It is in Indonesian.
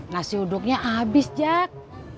nasi uduknya abis jack